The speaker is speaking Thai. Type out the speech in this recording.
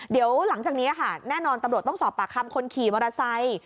เดี๋ยวหลังจากนี้ค่ะแน่นอนตำรวจต้องสอบปากคำคนขี่มอเตอร์ไซค์